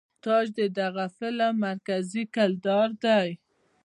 تاج د دغه فلم مرکزي کردار دے.